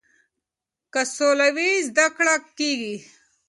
که سوله وي زده کړه کیږي.